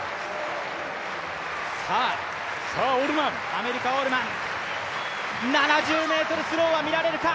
アメリカオールマン７０ｍスローはみられるか。